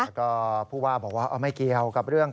แล้วก็ผู้ว่าบอกว่าไม่เกี่ยวกับเรื่อง